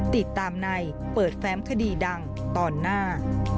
ติดตามในเปิดแฟ้มคดีดังตอนหน้า